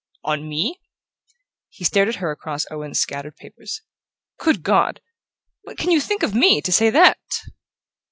"On me?" He stared at her across Owen's scattered papers. "Good God! What can you think of me, to say that?"